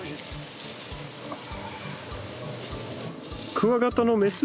クワガタのメス？